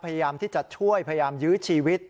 พยายามที่จะช่วยพยายามยื้อชีวิต